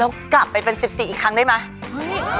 แล้วกลับไปเป็น๑๔อีกครั้งได้ไหม